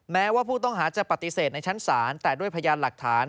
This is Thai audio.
แม้ว่าผู้ต้องหาจะปฏิเสธในชั้นศาลแต่ด้วยพยานหลักฐาน